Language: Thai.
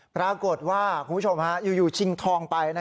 ปรากฏว่าอยู่อยู่ฉิงทองไป